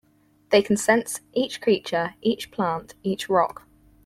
They can sense, each creature, each plant, each rock.